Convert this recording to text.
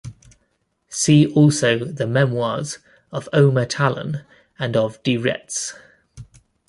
See also the memoirs of Omer Talon and of De Retz.